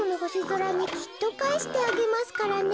ぞらにきっとかえしてあげますからね」。